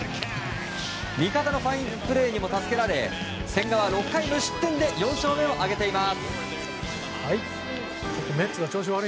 味方のファインプレーにも助けられ千賀は６回無失点で４勝目を挙げています。